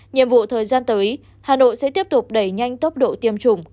nhiệm vụ thời gian tới hà nội sẽ tiếp tục đẩy nhanh tốc độ tiêm chủng